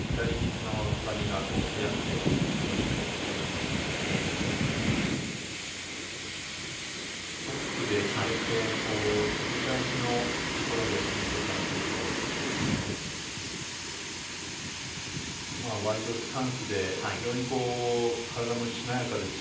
左肘のたたみが早くて、キレもいいし、トップで止めて切り返しのところで止めていただけるとワイドスタンスで非常に体もしなやかですし、